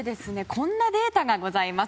こんなデータがございます。